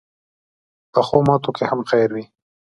پخو ماتو کې هم خیر وي